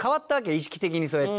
意識的にそうやって。